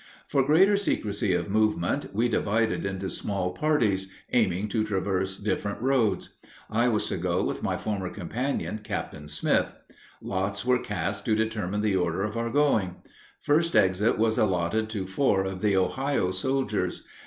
For greater secrecy of movement, we divided into small parties, aiming to traverse different roads. I was to go with my former companion, Captain Smith. Lots were cast to determine the order of our going. First exit was allotted to four of the Ohio soldiers.